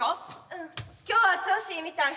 うん今日は調子いいみたい。